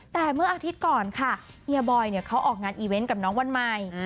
แต่เมื่ออาทิตย์ก่อนค่ะเฮียบอยเขาออกงานอีเวนต์กับน้องวันใหม่